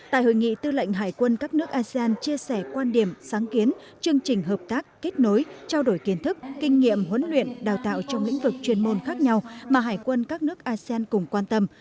tại hội nghị tư lệnh hải quân các nước asean chia sẻ quan điểm sáng kiến chương trình hợp tác kết nối trao đổi kiến thức kinh nghiệm huấn luyện đào tạo trong lĩnh vực chuyên môn khác nhau mà hải quân các nước asean cùng quan tâm